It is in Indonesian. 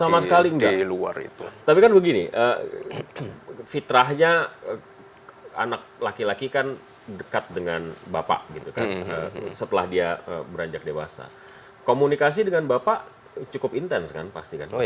sama sekali nggak di luar itu tapi kan begini fitrahnya anak laki laki kan dekat dengan bapak gitu kan setelah dia beranjak dewasa komunikasi dengan bapak cukup intens kan pasti kan